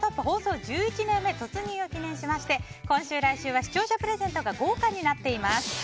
放送１１年目突入を記念しまして今週、来週は視聴者プレゼントが豪華になっています。